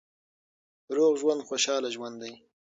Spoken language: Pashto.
روغ ژوند خوشاله ژوند دی.